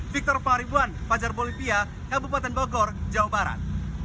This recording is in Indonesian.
victor faribuan pajar bolivia kabupaten bogor jawa barat